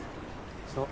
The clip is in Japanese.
そう。